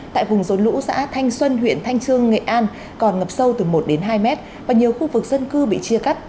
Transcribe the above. tại vùng dồn lũ xã thanh xuân huyện thanh trương nghệ an còn ngập sâu từ một hai m và nhiều khu vực dân cư bị chia cắt